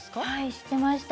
知っていました。